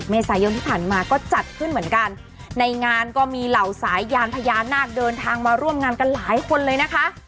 เมษายนที่ผ่านมาก็จัดขึ้นเหมือนกันในงานก็มีเหล่าสายยานพญานาคเดินทางมาร่วมงานกันหลายคนเลยนะคะ